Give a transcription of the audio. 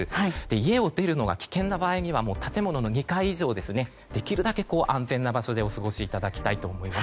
家を出るのが危険な場合は建物の２階以上できるだけ安全な場所でお過ごしいただきたいと思います。